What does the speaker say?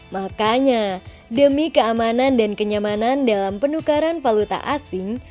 makanya demi keamanan dan kenyamanan dalam penukaran valuta asing